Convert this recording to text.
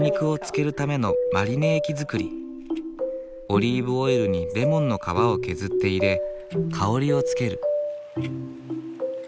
オリーブオイルにレモンの皮を削って入れ香りをつける。